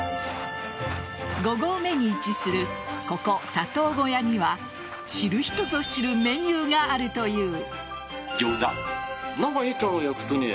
５合目に位置するここ、佐藤小屋には知る人ぞ知るメニューがあるという。